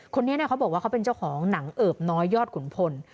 คนนี้เขาบอกว่าเขาเป็นเจ้าของหนังเอิบน้อยยอดขุนพล